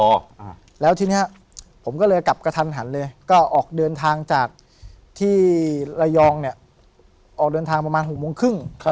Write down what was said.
อ่าแล้วทีเนี้ยผมก็เลยกลับกระทันหันเลยก็ออกเดินทางจากที่ระยองเนี้ยออกเดินทางประมาณหกโมงครึ่งครับ